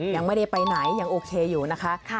ยังไม่ได้ไปไหนยังโอเคอยู่นะคะ